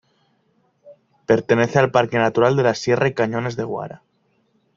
Pertenece al Parque Natural de la Sierra y Cañones de Guara.